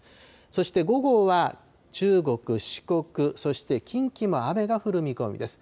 そして午後は、中国、四国、そして近畿も雨が降る見込みです。